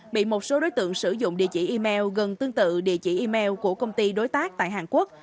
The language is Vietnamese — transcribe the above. bị một số đối tượng sử dụng địa chỉ email gần tương tự địa chỉ email của công ty đối tác tại hàn quốc